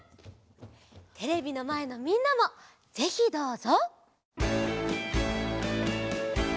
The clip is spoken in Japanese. テレビのまえのみんなもぜひどうぞ！